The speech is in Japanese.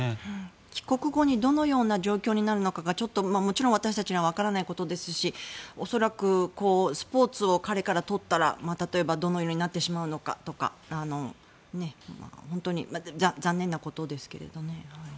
帰国後にどのような状況になるのかがもちろん私たちにはわからないことですし恐らくスポーツを彼から取ったら例えばどのようになってしまうのかとか本当に残念なことですけれどね。